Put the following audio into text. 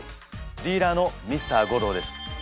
ディーラーのＭｒ．ゴローです。